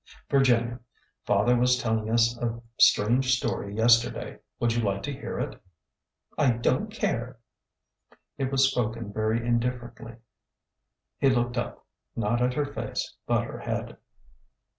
'' Virginia, father was telling us a strange story yester day. Would you like to hear it?'' I don't care." It was spoken very indifferently. He looked up, not at her face, but her head.